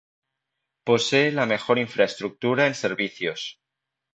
Posee la mejor infraestructura en servicios.